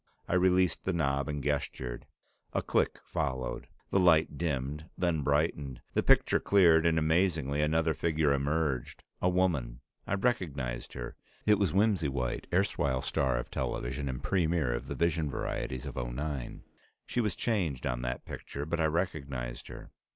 I released the knob and gestured. A click followed. The light dimmed, then brightened. The picture cleared, and amazingly, another figure emerged, a woman. I recognized her; it was Whimsy White, erstwhile star of television and premiere of the "Vision Varieties of '09." She was changed on that picture, but I recognized her.